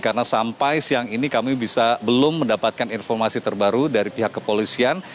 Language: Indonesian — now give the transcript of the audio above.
karena sampai siang ini kami belum mendapatkan informasi terbaru dari pihak kepolisian